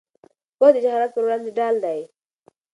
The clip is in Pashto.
پوهه د جهالت پر وړاندې ډال دی.